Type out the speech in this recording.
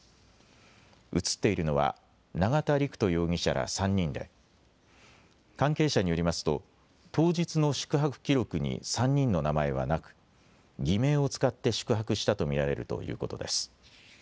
写っているのは永田陸人容疑者ら３人で関係者によりますと当日の宿泊記録に３人の名前はなく偽名を使って宿泊したと見られるということです。